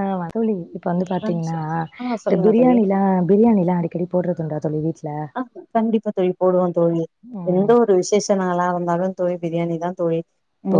ஆ [unintelligible] வந்து ஆ சொ பாத்தீங்கன்னா ஆ இந்த சொல்லுங்க தோழி பிரியாணில்லாம் பிரியாணில்லாம் அடிக்கடி போடுறதுண்டா தோழி [unintelligible] ஆ கண்டிப்பா தோழி போடுவான் தோழி எந்த ம் ஒரு விசேஷ நாளா இருந்தாலும் தோழி பிரியாணி தான் தோழி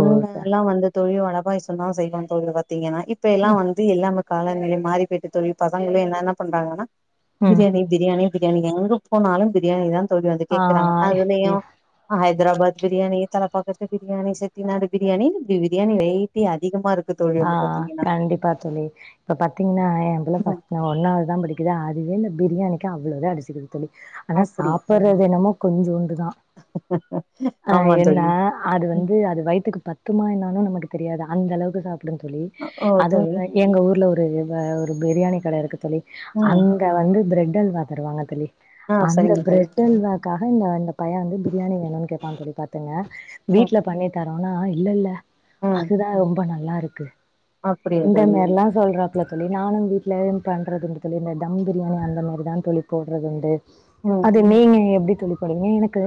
ஓ ச வந்து தோழி வட வய் சொன்னான் செய்வான் தோ [unintelligible] இங்கன்னா இப்ப எல்லாம் வந்து எல்லாம காலநிலை மாறிப்போயிட்டு தோழி பசங்களே என்ன என்ன பண்றாங்கனா ம் பிரியணி பிரியாணி பிரியாணிங்க [unintelligible] போனாலும் பிரியாணி தான் த வந்து ஆ கேக்குறாங்க இ அதுலயும் ஆ ஹைதராபாத் பிரியாணி தலப்பாக்கட்டு பிரியாணி செட்டிநாடு பிரியாணி இ பிரியாணி வெரைட்டி அதிகமா இருக்கு தோழி ஆ வந்து பாத்தீங்கன்னா கண்டிப்பா தோழி இப்ப பாத்தீங்கன்னா என் புள்ள ம் பாத்தீங்கன ஒன்னாவதுதான் படிக்கு து அதுவே இந்த பிரியாணிக்கி அவ்ளோ அடிச்சுது தோழி ஆனா அப்டி சாப்பிடுறது என்னமோ கொஞ்சூண்டுதான் அ ஆமா என்னா தோழி அது ம் வந்து அது வயித்துக்கு பத்து த்தமா என்னாலும் நமக்கு தெரியாது அந்தளவு சாப் ல்ல தோழி ஓ தோழி அதுவும் எங்க ஊர்ல ஒரு ஒரு பிரியாணி கடை இருக்கு தோழி ம் அங்க வந்து பிரட் [unintelligible] தரு வாங்க தோழி ஆ அந்த சரிங்க தோழி பிரட் அல்வாகாக இங்க வந்து பையன் வந்து பிரியாணி வேணும்னு கேட்டான் தோழி பாத்துங்க ம் வீட்ல பண்ணி தர னா இல்ல இல்ல ம் அதுதான் ரொம்ப நல்லா இரு க்கு அப்டியா இந்த தோழி மாறில்லாம் சொல்றா இதில் சொல்லி நானும் வந்து வீட்ல பண்ணுறதுண்டு சொல்லி இந்த டம் பிரியாணி அந்தமாரி தான் தொழி போடுறது உண்டு ம் அது ம் நீங்க எப்டி தோழி இல்ல எனக்கு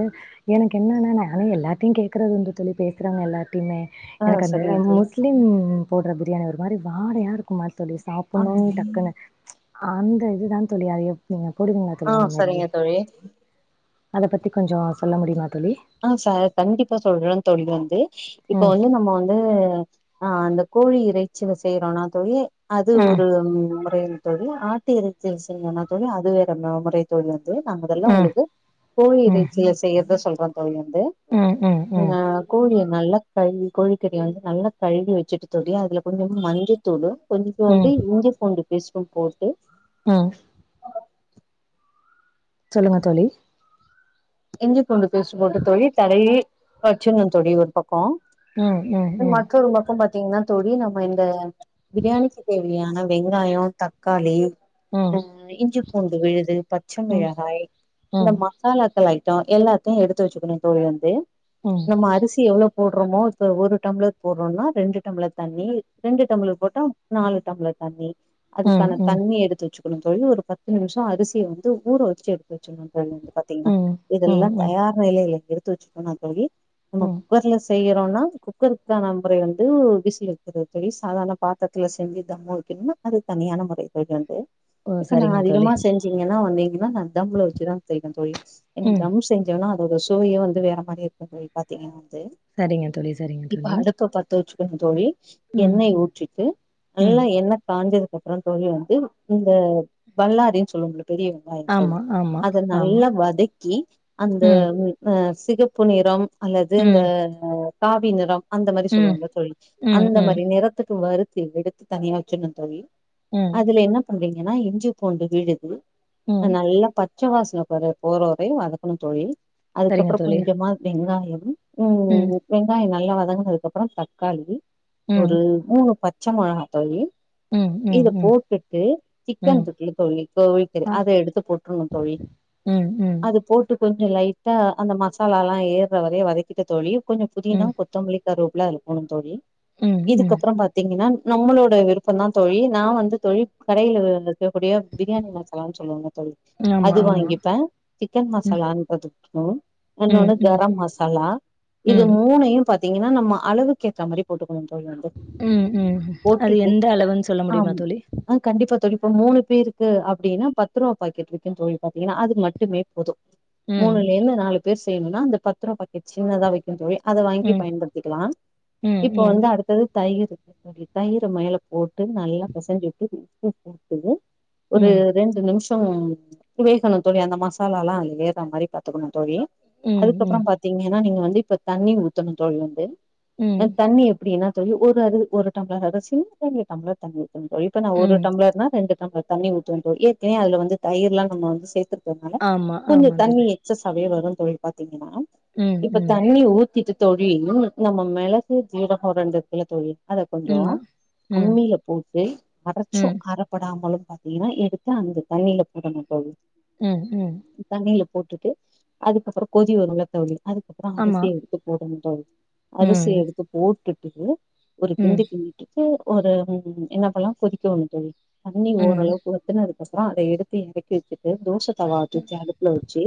எனக்கு என்னன்னா நானும் எல்லாத்தையும் கேட்குறது உண்டு தோழி பேசுறவங்க எல்லார்டயுமே ஆ எனக்கு அந்த சரிங்க தோழி முஸ்லிம் போட்ற பிரியாணி ஒரு மாரி வாடையா இருக்கு மா தோழி சாப்பட்ணுனு டக்குனு ச் அந்த இதுதா தோழி அயோப் ஆ சரிங்க தோழி அத பத்தி கொஞ்சோ சொல்ல முடியுமா தோழி ஆ ச கண்டிப்பா சொல்றேன் தோழி வந்து இப்ப ம் வந்து நம்ம வந்து ஆ அந்த கோழி இறைச்சில செய்றோனா தோழி அது ம் ஒரு முறைங் தோழி ஆ ட்டு இறைச்சில செய்னோனா தோழி அது வேற முறை தோழி து நா முதல்ல ம் உங்களுக்கு கோழி ம் இறைச்சில செய்றத சொல் [inaudible] வந்து ம் ம் ம் நம்ம கோழிய நல்லா கழுவி கோழிக்கறிய வந்து நல்லா கழுவி வச்சுட்டு தோழி அதுல கொஞ்சோனு மஞ்ச தூளு கொஞ்சோண்டு இஞ்சி பூண்டு விஷ்பம் போட்டு ஆ சொல்லுங்க தோழி இஞ்சி பூண்டு பேஸ்டு போட்டு தோழி தடவி வச்சர்னு தோழி ஒரு பக்கோ ம் ம் ம் தீங்கன்னா தோழி நம்ம இந்த பிரியாணிக்கி தேவையான வெங்காயோ தக்காளி ம் அ இஞ்சி பூண்டு விழுது பச்ச ம் மிளகாய் இந்த ம் மசாலா மசாலா ஐட்டோ எல்லாத்தையும் எடுத்து வச்சுக்கணும் தோழி வந்து ம் நம்ம அரிசி எவ்ளோ போட்றோமோ இப்ப ஒரு டம்ளர் போட்றோனா ரெண்டு டம்ளர் தண்ணி ரெண்டு டம்ளர் போட்டா நாலு டம்ளர் தண்ணி ம் ம் அதுக்கான ம் தண்ணி எடுத்து வச்சு கனு தோழி ஒரு பத்து நிமிஷோ அரிசிய வந்து ஊற வச்சு எடு த்து வச்சர்னு தோழி வந்து பாத்தீங்கன்னா ம் எல்லா ம் தயாரா எ [unintelligible] எடுத்து வச்சுருக்கோனா தோழி நம்ம ம் ஊர்ல செய்யிற றோனா குக்கருக்கான முறை வந்து ஒரு விசில் வெக்கிறது தோழி சாதாரண பாத்திரத்தில செஞ்சு தம்மு வெக்கணுனா அது தனியான முறை தோழி வந்து ஓ இப்ப நா சரிங்க தோழி அதிகமா செஞ்சீங்கன்னா வந்தி ஏ நா தம்முள வெச்சுதா செய்வன் தோழி எனக்கு ம் தம் செஞ்சோன்னா சுவையே வந்து வேற மாரி இருக்கு தோழி பாத்தீங்கன்னா து சரிங்க தோழி சரிங்க இப்ப தோழி அடுப்ப பத்து வெச்சு வெக்கனு தோழி ம் எண்ணெய் ஊற்றிட்டு ம் நல்லா எண்ணெ காஞ்சது அதுக்கப்புறோந் தோழி வந்து இந்த வல்லாரைன்னு சொல்லுவமல்ல பெரிய வெங்காயம் தோழி ஆமா ஆமா அத ஆமா நல்லா வதக்கி கி அந்த ம் ஆ சிகப்பு நிறம் அல்லது இந்த ம் காவி நிரம் அந்த மாரி ம் சொல்லுவாங்கல்ல தோழி ம் அந்த ம் மாரி நிறத்துக்கு வருத் து எடுத்து தனியா வெச்சிரனு தோழி ம் அதுல என்ன பண்றீங்க ஏன்னா இஞ்சி பூண்டு விழுது ம் நல்லா பச் பச்ச வாசன பர போரோ அதையு வதக்கணு தோழி சரிங்க அதுக்கப்பறோ தோழி கொஞ்சுமா வெங்காயம் உம் ம் உம் வெங்காயம் ந நல்ல வதங்குனதுக்கு அப்பறோ தக்காளி ம் ஒரு மூணு பச் பச்ச மெளகா தோழி ம் ம் இத ம் போட்டுட்டு சிக்கன் ம் இருக்குலா தோழி கோழிகறி ஆ அத எடுத்து போட்டுறுனு தோழி ம் ம் போட்டு கொஞ்சு லைட்டா அந்த மசாலலா ஏற வரையு வதக்கிட்டு தோழி கொஞ்சு புதினா ம் கொத்தமல்லி கருவேப்ல அதுல போடனு தோழி ம் ம் இதுக்கப்பறோ பாத்தீங்கன்னா நம்மளோட விருப்பம்தான் தோழி நான் வந்து தோழி கடைல இருக்கக்கூடிய பிரியாணி மசாலான்னு சொல்லுவாங்க தோழி ஆமா அது ஆமா வாங்கிப்பேன் சிக்கன் ம் மசாலா போட்டுக்கணும் ம் இன்னொன்னு ம் கரம் மசாலா இது ம் மூணையும் பாத்தீங்கன்னா நம்ம அளவுக்கு ஏற்ற மாதிரி போட்டு அளவுக்கு வந்து ம் ம் அது போட்டுட்டு எந்த அளவுன்னு சொல்ல ஆ முடியுமா தோழி ஆஹ் கண்டிப்பா தோழி மூணு பேருக்கு அப்படின்னா பத்துருவா பாக்கெட் இருக்கு தோழி பாத்தீங்கனா அது மட் டுமே போதும் ம் மூணுல இருந்து நாலு பேர் செய்யணும்னா அந்த பத்துருவாபாக்கெட் சின்னதா விக்கும் தோழி அதை வாங்கி ம் பயன்படுத்திக்கலாம் ம் இப்போ ம் வந்து அடுத்தது தயிர் தயிர மேல போட்டு நல்லா பிசஞ்சுட்டு உப்பு போட்டு ஒரு ம் ரெண்டு நிமிஷம் ம்ம் வேகணும் தோழி அந்த [unintelligible] மசாலாயெல்லாம்ம் அதுல ஏர்ற மாரிப் பாத்துக்கணும் தோழி ம் ம் அதுக்கப்புறம் பாத்தீங்கன்னா நீங்க வந்து இப்ப தண்ணி ஊத்தணும் தோழி வந்து அ ம் தண்ணி எப்டி னா தோழி ஒரு அரு ஒரு டம்ளர் அத [unintelligible] தண்ணி [inaudible] இப்ப நா ஒரு ம் டம்ளர் னா ரெண்டு டம்ளர் தண்ணி ஊத்துவேநன் தோழி ஏற்கனேவே அதுல வந்து தயிர்லா நம்ம வந்து சேத்துர்க்கர்னால ஆமா கொஞ்சோ ஆமா தண்ணி தோழி எக்ஸஸ் ஆவே வர் ரு தோழி பாத்தீங்கன்னா ம் இப்ப ம் தண்ணி ஊத்திட்டு தோழி உம் நம்ம மெளகு ஜீரகோம் ரெண்டிர்க்குல தோழி அத கொஞ்சோ ஆமா ம் அம்மில போட்டு ம் அறச்சும் அற படாமலும் பாத்தீங்கன்னா எடுத்து அந்த தண்ணில போடணு தோழி ம் ம் தண்ணில போட்டுட்டு அதுக்கப்பறோ கொதி வரும்ல தோழி அதுக்கப்பறோ ஆமா அரிசிய எடுத்து போடணும் டோ [unintelligible] அரிசி ம் எடுத்து போட்டுட் டு ஒரு கிண்டு ம் கிண்டிட்டு ஒரு ம் என்ன பண்லா கொதிக்க உட்ணும் தோழி தண்ணி ம் ஓரளவுக்கு ஊத்துனா இருக் கொசரோ அத எடுத்து இறக்கி வெச்சுட்டு தோச தவா ச்சு அடுப்புல வச்சு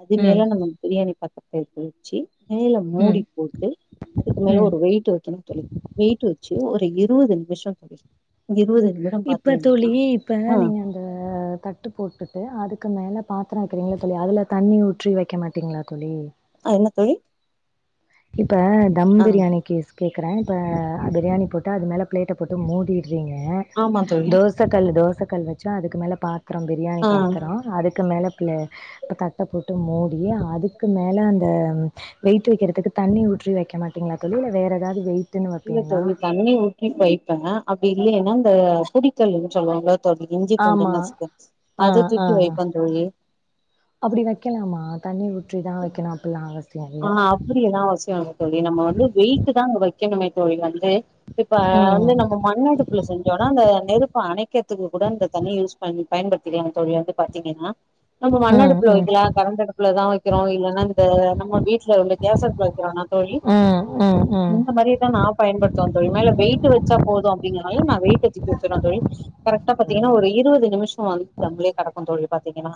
அது ம் மேல நம்ம பிரியாணி பாத் எறக்கி வெச்சி மேல ம் மூடி போட்டு அதுக்கு மேல ம் ஒரு வெயிட் வைக்கனு தோழி வெயிட் வெச்சு ஒரு இருவது நிமிஷோ தோழி இருவது நிமிடம் இப்ப தோழி பாத்தீங்கன்னா இப்ப நீங்க ஆ அந்த தட்டு போட்டுட்டு அதுக்கு மேல பாத்ரோ வெக்குறீங்கல்ல தோழி அதுல தண்ணி ஊற்றி வெக்க மாட்டீங்ளா தோழி அ என்ன தோழி இப்ப தம் ஆ பிரியாணிக்கிஸ் கேக்கறே இப்ப அ பிரியாணி போட்டா அது மேல பிளேட்ட போட்டு மூடி ரிங்க ஆமா தோழி தோச கல்லு தோச கல் வச்சா அதுக்கு மேல பாத் த்ரம் பிரியாணி ஆ பாத்தறோ அதுக்கு மேல பி தட்ட போட்டு மூடி அதுக்கு மேல அந்த வெய்ட்டு வெக்கிறதுக்கு தண்ணி ஊற்றி வெக்க மாட்டீங்களா தோழி இல்ல வேறெதாவது வெய் இல்ல தோழி தண்ணி ஊத்தி வைப்ப அ டி இல்லேனா அந்த புடிக்கல்லுன்னு சொல்லுவாங்ள தோழி இஞ்சி பூண்டு ஆமா நசுக்கு ஆ அத ஆ தூக்கி வைப்ப தோழி சுற்றி தான் வெக்கணும் அப்பில்லாம் அவசியம் அ அப்டியா எல்லாம் அவசியம் இல்ல தோழி நம்ம வந்து வெயிட்டு தான் அங்க வைக்க கனுமை தோழி அது அ இப்ப வந்து ம் நம்ம மண்னடுப்புல செஞ்சோனா அந்த நெருப்பு அணைக்கரத்துக்கு கூட இந்த தண்ணி யூஸ் பண்ணி பயன்படுத்திக்கலாம் தோழி வந்து பாத்தீங்கனா நம்ம மண் ம் அடுப்புல ம் வெக்கலாம் கரன்ட் அடுப்புலதான் வெக்கிறோம் இல்லனா இந்த நம்ம வீ்ட்ல உள்ள கேஸ் அடுப்புல வைக்கிலானா தோழி ம் ம் ம் இந்த மாரிதா நான் பயன்படுத்துவன் தோழி மேல வெயிட்டு வச்சா போதும் அப்டிங்கறனால நான் வெயிட் [unintelligible] தோழி கரெக்டா ஓ பாத்தீங்கனா ஒரு இருவது நிமிஷம் வந்து தம்ளே கடக்கும் தோழி பாத்தீங்கனா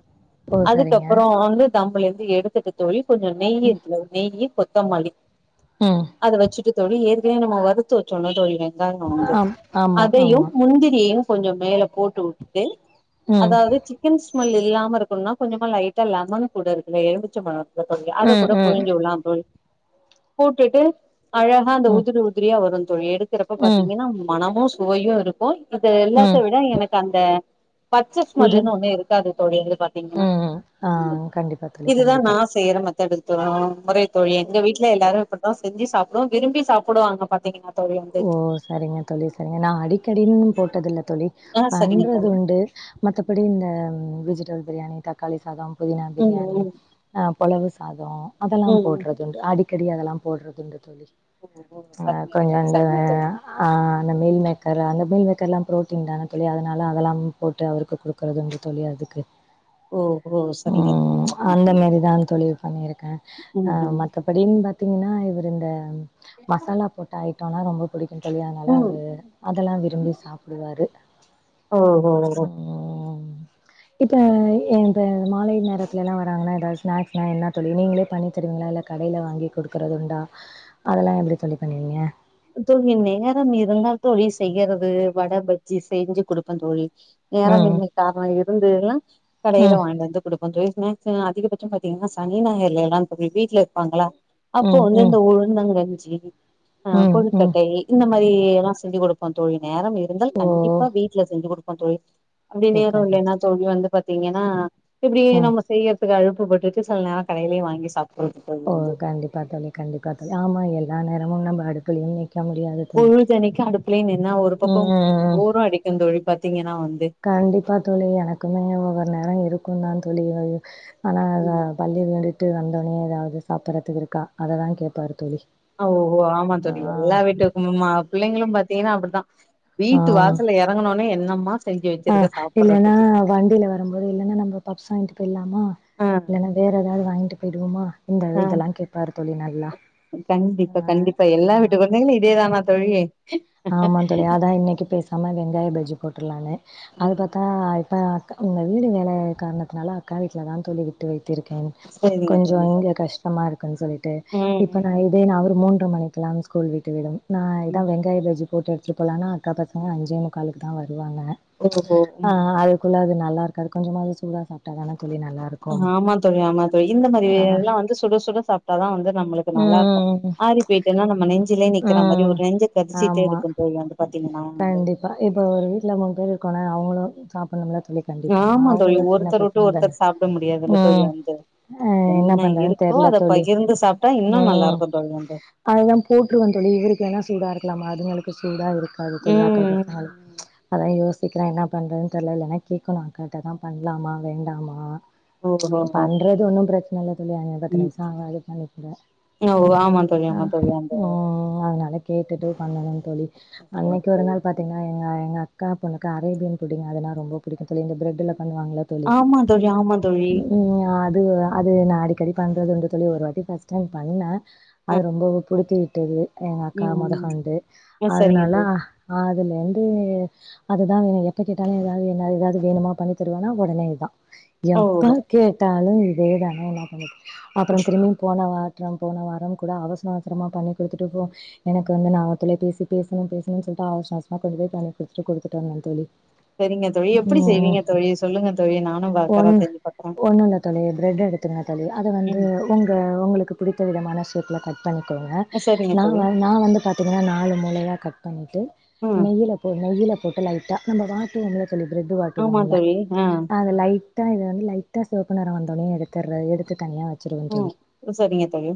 ஓ சரிங்க அதுக்கப்பறம் வந்து தம்ளேந்து எடுத்துட்டு தோழி கொஞ்சோம் நெய் இரு நெய்யி கொத்தமல்லி ம் அத வெச்சுட்டு தோழி ஏற்க [unintelligible] நம்ம வறுத்து வச்சோல்ல தோழி ஆம் ஆமா அதையும் ஆமா முந்திரியும் கொஞ்சம் மேல போட்டு உட்டுட்டு ம் அதாவ்து சிக்கன் ஸ் ம்மல் இல்லாம இருக்குன்னா கொஞ்சமா லைட்டா லெமன் கூட இருக்குல்ல எலுமிச்ச பழோ [unintelligible] அத ம் குட ம் புழிஞ்ஜி உல்லாந் தோழி கூட்டிட்டு அழகா அந்த ம் உதிரி உதிரியா வரு தோழி எடு கிறப்ப ம் பாத்தீங்கன்னா மணமோ சு சுவையு இருக்கு இது எல்லாத்த ம் விட எனக்கு அந்த பச்ச உது ஸ்மல்லுன்னு ஒண்ணு இருக்காது தோழி இத பாத்தீங்கனா ம் ஆ கண்டிப்பா தோழி இதுதா கண்டிப்பா. நா செய்யற மெ த்தடு தாமரை தோழி எங்க வீட்ல எல்லாரு ப தா செஞ்சி சாப்டுவோ விரும்பி சாப்புடுவாங்க பாத்தீங்கனா ஓ சரிங்க தொழி சரிங்க நா அடிக்கடினுன் போட்டதில்ல தொழி ஆ சரிங்க பண்றது தோழி உண்டு மத்த ப்படி இந்த வெஜிடபுள் பிரியாணி தக்காளி சாதம் புதினா ம் பிரியாணி ம் அ பொலவு ஸ் சாதோ அதல்லா ம் ம் போட்றதுண்டு அடி கடி அதல்லாம் போட்றது உண்டு தொழி ஓகோ சரிங்க தோழி அ ஸ் அ அ ஆ ந்த மீல் மேக்கர்ல அந்த மீல் மேக்கர்ல்லாம் ப்ரோட்டீன் தான தோழி அதனால அதெலாம் போட்டு அவுருக்கு குடுக்குறது உண்டு தோழி அதுக்கு ஓ ஓ சரிங்க தோழி ம் சரிங்க அந்த தோழி மேரிதாந் தோழி பண்ணிருக்கே ம் அ ம் மத்தபடின் பாத்திங்கன்னா இவுரு இந்த மசாலா போட்ட ஐ ஆனா ரொம்ப பிடிக்குந் தோழி அதனால ம் அவுரு அதல்லா விரும்பி சாப்புடுவாரு ஓ ஓ ஓ ம் ம் இப்ப எ இப்ப மாலை நேரத்திலல்லா வராங்கன்னா எதாவ் ஸ்நாக்ஸ்னா என்ன தோழி நீங்ளே பண்ணி தருவிங்ளா இல்ல கடையில வாங்கி குடுக்கறதுண்டா அதெல்லா எப்டி தோழி பண்ணுவீங்க தோழி நேரம் இருந்தால் தோழி செய்யறது வட பஜ்ஜி செய்ஞ்சு குடுப்பந் தோழி நேரம் ம், இன்மை கார்ணோ இர் வந்து எல்லா கடையில ம், வாய்ன்ட்டு வந்து குடுப் கொஞ்சம் [unintelligible] ஸ்னாக்ஸ்ல அதிகபட்சம் பாத்தீங்கன்னா சனி நாயர் எல்லாம் வீட்டுல இருப்பாங்கள அப்போ ம், வந்து ம், இந்த ஊழுதங் கஞ்சி உஹூம் ஆ ம், ம். கொழுக்கட்டை இந்த [unintelligible] தான் செஞ்சு கொடுப்பன் தோழி நேரம் இருந்தால் ஓ! கண்டிப்பா வீட்டுல செஞ்சு கொடு அது அப்படி ஓ! பேரும் கண்டிப் இல்லைன்னா தோழி வந்து பத் தீங்கன்னா இப்படி ம். நம்ம செய்யற க்கு அழுப்புப்பட்டு சிலநேரம் கடையிலெ வாங்கி சாப் ஓ கண்டிப்பா தொழி கண்டிப்பா தோழி ஆமா எல் எல்லா நேமும் நம்ம ஆடுகுளையெ நீக் பொழுதனிக்கு அடுப்புலெ நின்னா ஒரு ம் பக்கம் ம் ம் போரும் அடிக்கும் தோழி பாத்தீங்கனா கண்டிப்பா தோழி எனக்குமே ஒவ்வொரு நேரம் இருக் கும் தான் தோழி அது ஆனால் ம் பள்ளியை விட்டு வந் வந்தொடனே ஏதாவது சாப்பிடறதுக்கு இருக்கா அத தான் கேட்பாரு தோழி ஓ ஆமா ஆ தோழி எல்லா வீட்டுக்கும்மா பிள்ளைங்களும் பாத்தீங்கன்னா அப்படிதான் ஆ வீட்டு வாசல்ல எறங்குனோனே என் தமாஸ் ஆ இல்லன்னா வண்டியில வரும்போது இல்லன்னா நம்ம பஃப்ஸ் வாங்கி போயிர்லாம் ஆ இல்லைன்னா வேற ஏதாவது வாங்கிட்டு போயிடுவோமா இந்த ஆ இதெல்லாம் கேட்பாரு தோழி நல்லா கண்டிப்பா ஆ கண்டிப்பா எல்லா வீட்டு ஆ குழந்தைகளு இதேதானா தோழி ஆமா தோழி அதான் இன்னைக்கு பேசாம வெங்காய பஜ்ஜி போட்டுர்லானு ஆ அது ஆ பாத்தா இப்ப இந்த வீடு வேல காரணத்தினால அக்கா வீட்டில தான் தோழி வைத்திருக்கேன் சரிங்க தோழி கொஞ்சம் இங்க சரிங்க கஷ்டமா இருக்குன்னு சொல்லிட்டு ம் இப்ப நான் ம் இதே நான் ஒரு மூன்ற மணிக்கு இருக்கலாம் ஸ்கூல் விட்டு விடும் நா ம் இதான் வெங்காய பஜ் போட்டு எடுத்துட்டு போலனா அக்கா பசங்க அஞ்செ முக்காலக்கு தா வர் வருவாங்க ஓஹோ ம்ச் அ ம் அதுக்குள்ள நா நல்லா இருக்காது கொஞ்சம்ம சூடா சாப்ட்டா தான தோழி நல்லாருக்கும். ஆமா தோழி ஆமா தோழி இந்த மாரி ஆ எல்லாம் வந்து சுட சுட சாப்ட்டாதான் வந்து நம்மளுக்கு நல்லா இருக்கும் ம் ஆரி போயிட்டுனா நம்ம நெஞ்ச ஞ்சிலே நிக்கிறா மாரி ம் ஒரு நெஞ்சு கரிசாசிட்டே ஆமா. இருக்கோ தோழி அ கண்டிப்பா இப்ப ஒரு வீட்ல மூணு பேரு இருக்கோல அவுங்களும் காப் பொண்ண கண்டிப்பா ஆமா தோழி அவுங்கள சின்ன ஒருத்தர் வுட்டு பசங்க தானே ஒருத்தர் சாப்ட முடியாதுல்ல தோழி ம் வந்து என்ன பண்றது என்ன பண்றதுன்னு இருக்கோ தெரில அத தோழி பகிர்ந்து சாப்ட்டா இன்னு நல்லா உம் இருக்கு தோழி வந்து அதுதான் போற்றுவன் தோழி இவருக்கு ஏனா சூடா இருக்கலாமா அதுங்களுக்கு சூடா இருக்கு சொ ம் [inaudible] அதான் யோசிக்கிறேன் என்ன பண்ணுறதுன்னு தெரியில லலைனா கேக்கனு அக்காகிட்ட தான் பண்ணலாமா வேண்டாமா ஓஹோ பண்றது ஒன்னும் பிரச் நல்லது சொல்லி பத்து ம் நிமிஷம் ஆவது தோழி ஓ ஆமா தோழி ஆமா தோழி அந்த அதனால கேட்டுட்டே பண்ணலாம் தோழி சரிங்க அன்னைக்கு ஒரு தோழி. நாள் பாத்தீங்கன்னா எங்க எங்க அக்கா பொண்ணுக்கு அரேபியன் புட்டிங் அது நா ரொம்ப பிடிக்கும் தோழி இந்த பிரட்ல ஆமா தோழி ஆமா தோழி ம். அது அது நான் அடிக்கடி பண்ணுறதுன்ற தோழி ஒரு வாட்டி ஃபஸ்ட் டைம் பண்ண ஆ அது ரொம்பவு புடிச்சது தெரியும் எங்க அக்கா ம் மொதகொண்டு ம் சரிங்க அதனால தோழி ஆ ஆ அது வந்து அது இதான் வேணு எப்ப கேட்டாலு ஏதாவது வேணுமா ஏதாவது வேணுமா பண்ணி தரட்ட டோனா ஒடனே இதா ஓஹோ எப்ப கேட்டா ஹலோ இதே தானோ நா பண்ணி அப்பற திரும்பவு போன போன வார கூட அவசர அவசரமா பண்ணி கொடுத்துட்டு போ எனக்கு வந்து நான் தொலை பேசி பேசணு பேச ம் சொல்லிட்டு அவசர அவசரமா கொண்டு போய் பண்ணி கொடுத்துட்டு கொடுத்துட்டு வந்தே தோழி சரிங்க தோழி எப்டி ம் செய்வீங்க தோழி சொல்லுங்க தோழி நானு பாக்குறே ஒன்னு செஞ்சு பாக்குறே ஒன்னுயில்ல தோழி பிரெட் எடுத்துக்குங்க தோழி அத வந்து ம் உங்க உங்களுக்கு பிடித்த விதமான [unintelligible] பண்ணிகோங்க சரிங்க நா தோழி நான் வந்து பாத்தீங்கன்னா நாலு மூலையா கட் பண்ணிட்டு ம் நெய்யில போ நெய்யில போட்டு லைட்டா நம்ம வாட்டுவம்ளே சொல்லி பிரெட் ஆமா வாட்டுவோம்ல தோழி ஆ அத லைட் ட்டா லைட்டா சிவப்பு நிறம் வந்ததும் எடுத்தற எடுத்துட்டேங்க ஹும் சரிங்க தோழி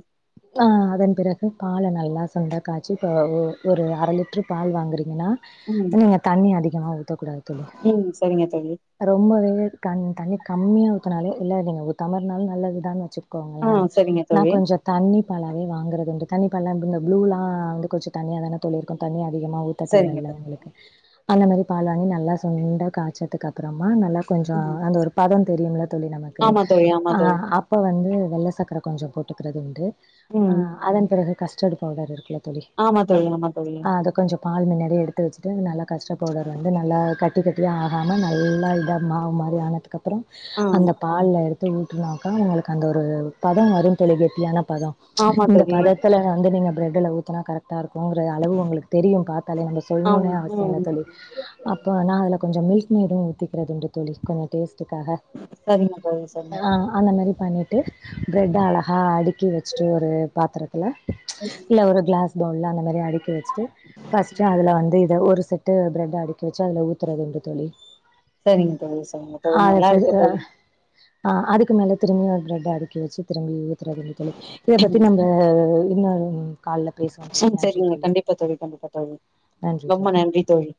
ஆஹ் அதன் பிறகு பாலே நல்லா சுண்ட காய்ச்சி ஒரு அரைலி ட்டர் பால் வாங்குறீங்கன்னா ம் நீங்க தண்ணி அதி [unintelligible] ஊத்த கூடாது தோழி ம் சரிங்க தோழி ரொம்பவே இத தண்ணி கம்மியா ஊத்துனாலே இல்லேஜ இல்லேடம்ளர்னாலு நல்லா விடாம வச்சுக் ஆ க்கோங்களே சரிங்க நா தோழி கொஞ்சம் தண்ணி பாலாவே வாங்குறதுன்டு தண்ணி பால்னா புளூலா வந்து கொஞ்ச தண்ணியா தானே தோழி இருக்கு தண்ணியே [unintelligible] அதிகமா ஊத்த தேவை சரிங்க இல்லை தோழி உங்களுக்கு அந்த மாரி பால் வாங்கி நல்லா சுண்ட காய்ச்சனதுக்கு அப்பறமா நல்லா கொஞ்ச ம் அந்த ஒரு பதம் தெரியலங்களே [unintelligible] தோழி நமக்கு ஆமா தோழி ஆமா தோழி ஆஹ் அப்ப வந்து வெள்ள சக்கர கொஞ்ச போட்டுக்கறது உண்டு ம் ஆஹ் அதன் பிறகு கஷ் செரி பவுடர் இருக்குல ஆமா தோழி ஆமா தோழி கொஞ்ச பால் மின்னாடியே எடுத்து வச்சுட்டு நல்லா கஸ்டர்பவுடர் வந்து நல்லா க ட்டுகட்டி ஆகாம நல்லா இதமா மாவு மாரி ஆனத அதுக்கப்பறம் ஆ அந்த பால்ல எடுத் ஊட்டுனாக்கா அவங்களுக்கு அந்த ஒரு பதம் வரும் தோழி கெட்டியான பதம் ஆமா இந்த தோழி பதத்துல வந்து நீங்க பிரெட்டுல ஊத்துனா கரெக்டா இருக்கும் அளவு உங்களுக்கு தெரியும் பாத்தாலே நம்ம ஆமா சொல்னுனே அவசியம் இல்ல ம் தோழி அப்பனா அதுல கொஞ்ச மில்க் மேடும் ஊத்திகறது உண்டு தோழி கொஞ்ச டேஸ் க்காக சரிங்க தோழி சரிங்க ஆஹ அந்த மாரி பண்ணிட் ட்டு பிரெட் அழகா அடிக் வச்சுட்டு ஒரு பாத்திரத்துல இல்ல ஒரு கிளாஸ் பௌல்ல அந்த மாரி அடிக் ட்டு ஃபர்ஸ்ட் அதுல வந்து இத ஒரு செட்டு பிரெட் அடி க்கு வெச்சு அதுல ஊத்தறதுண்டு தோழி சரிங்க தோழி சரிங்க தோழி அது நல்லா சரி இருக்கு அ தோழி ஆ அதுக்கு மேல திரும்பியு ஒரு பிரட அடுக்கி வெச்சு திரும்பி ஊத்தறதுங்க தோழி இத பத்தி ம் நம்ப ஆ என்ன [unintelligible] காலைல பேசுவோம் தோழி நன்றி தோழி ப்பா தோழி கண்டிப்பா தோழி நன்றி ரொம்ப தோழி ம் நன்றி தோழி